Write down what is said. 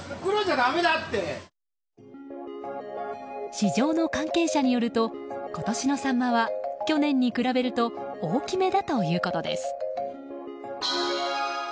市場の関係者によると今年のサンマは去年に比べると大きめだということです。